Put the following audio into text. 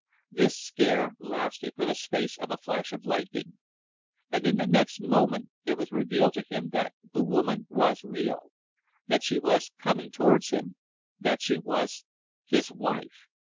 This scare lasted for the space of a flash of lightning, and in the next moment it was revealed to him that the woman was real; that she was coming towards him; that she was his wife!